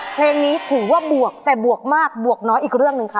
เพลงนี้ถือว่าบวกแต่บวกมากบวกน้อยอีกเรื่องหนึ่งค่ะ